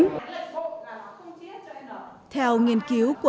theo nghiên cứu của